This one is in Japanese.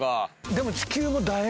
でも。